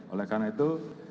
oleh karena itu